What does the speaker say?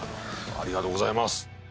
ありがとうございます。